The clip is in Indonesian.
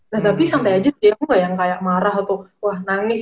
nah tapi sampe aja sih aku gak yang kayak marah atau wah nangis